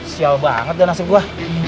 sial banget deh nasib gua